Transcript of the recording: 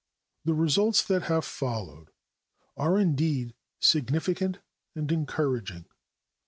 The results that have followed are indeed significant and encouraging.